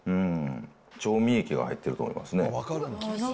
調味液が入ってると思いますね。